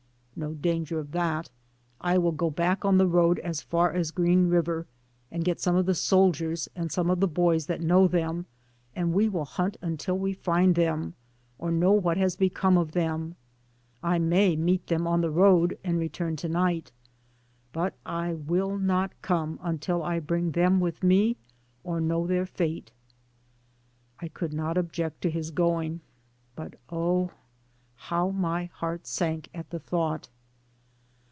*'No danger of that. I will go back on the road as far as Green River, get some of the 220 DAYS ON THE ROAD. soldiers and some of the boys that know them, and we will hunt until we find them, or know what has become of them. I may meet them on the. road and return to night, but I will not come until I bring them with me, or know their fate." I could not object to his going, but oh, how my heart sank at the thought.